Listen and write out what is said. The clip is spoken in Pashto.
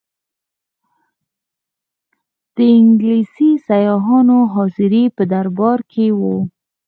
انګلیسي سیاحانو حاضري په دربار کې وه.